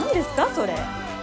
それ。